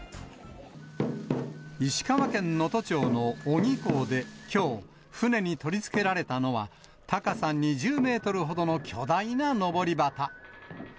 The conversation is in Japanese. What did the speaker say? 石川県能登町の小木港できょう、船に取り付けられたのは、高さ２０メートルほどの巨大なのぼり旗。